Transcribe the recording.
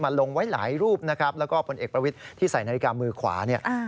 ลงไว้หลายรูปนะครับแล้วก็ผลเอกประวิทย์ที่ใส่นาฬิกามือขวาเนี่ย